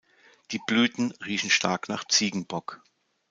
Die Blüten riechen stark nach Ziegenbock.